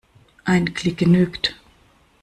Ein Klick genügt.